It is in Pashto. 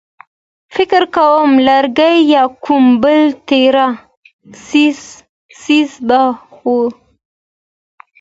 فکر کوم لرګی يا کوم بل تېره څيز به و.